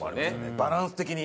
バランス的に。